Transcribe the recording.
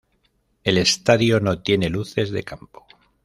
El estadio no tiene luces de campo.